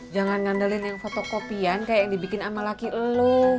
jangan ngandelin yang fotokopian kayak yang dibikin sama laki lu